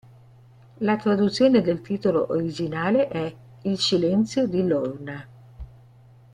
La traduzione del titolo originale è "Il silenzio di Lorna".